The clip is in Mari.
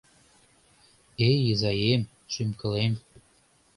«Эй, изаем, шӱм-кылем